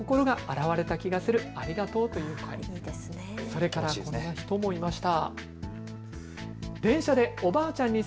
それからこんな人もいました。